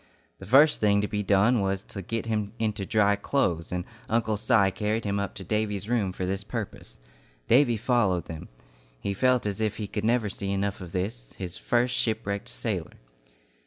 The first thing to be done was to get him into dry clothes, and Uncle Si carried him up to Davy's room for this purpose. Davy followed them. He felt as if he could never see enough of this, his first shipwrecked sailor.